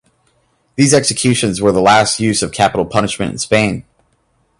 These executions were the last use of capital punishment in Spain.